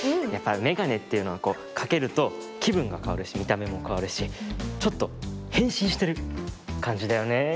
やっぱりめがねっていうのはかけるときぶんがかわるしみためもかわるしちょっとへんしんしてるかんじだよね。